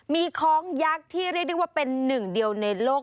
มีคล้องยักษ์ที่เรียกได้ว่าเป็นหนึ่งเดียวในโลก